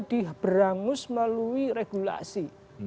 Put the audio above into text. diberangus melalui regulasi